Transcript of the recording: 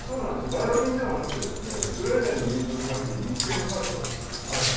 バイオリンではなくてですねスウェーデンの民族楽器でニッケルハルパといいます。